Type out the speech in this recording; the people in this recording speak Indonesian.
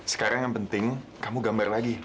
sekarang yang penting kamu gambar lagi